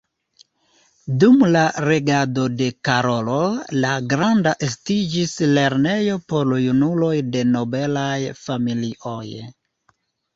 Dum la regado de Karolo la Granda estiĝis lernejo por junuloj de nobelaj familioj.